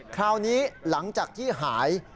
คราวนี้หลังจากที่หาย